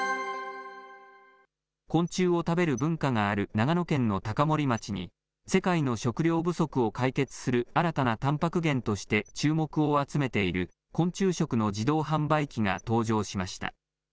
昆虫を食べる文化がある長野県の高森町に、世界の食糧不足を解決する新たなたんぱく源として注目を集めている、昆虫食の自動販売機が登場しました。